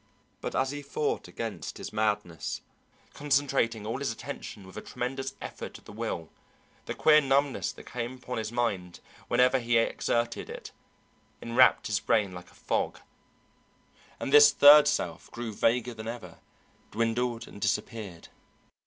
But as he fought against his madness, concentrating all his attention with a tremendous effort of the will, the queer numbness that came upon his mind whenever he exerted it enwrapped his brain like a fog, and this third self grew vaguer than ever, dwindled and disappeared.